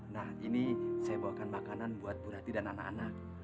nah ini saya bawakan makanan buat bu rati dan anak anak